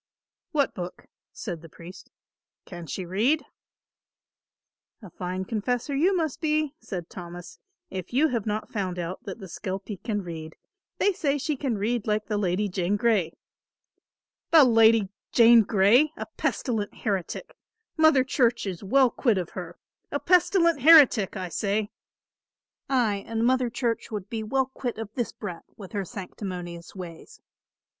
"What book?" said the priest. "Can she read?" "A fine confessor you must be," said Thomas, "if you have not found out that the skelpie can read. They say she can read like the Lady Jane Grey." "The Lady Jane Grey, a pestilent heretic! Mother Church is well quit of her; a pestilent heretic, I say! Ay, and Mother Church would be well quit of this brat with her sanctimonious ways."